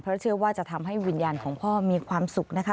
เพราะเชื่อว่าจะทำให้วิญญาณของพ่อมีความสุขนะคะ